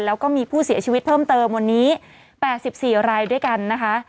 แล้วก็มีผู้เสียชีวิตเพิ่มเติมวันนี้๘๔รายด้วยกันนะคะ